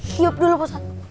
tiup dulu pak ustadz